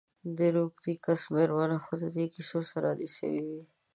د روږدې کس میرمن خو د دي کیسو سره عادي سوي وه.